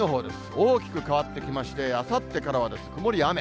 大きく変わってきまして、あさってからは曇りや雨。